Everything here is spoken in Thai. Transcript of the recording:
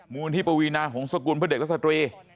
มูลที่ปวีนาหงศกุลเพื่อเด็กและสตรี